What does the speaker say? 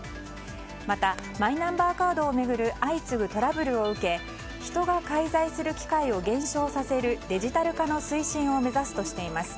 また、マイナンバーカードを巡る相次ぐトラブルを受け人が介在する機会を減少させるデジタル化の推進を目指すとしています。